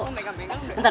om megan megan udah ya